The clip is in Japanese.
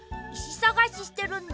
さがししてるんだ。